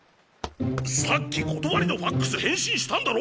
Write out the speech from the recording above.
さっき断りのＦＡＸ返信したんだろ！？